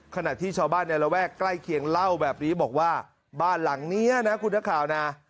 ขณะที่ชาวบ้านในระแวกใกล้เคียงเล่าแบบนี้บอกว่าบ้านหลังนี้นะคุณนักข่าวนะ